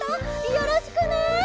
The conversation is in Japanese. よろしくね！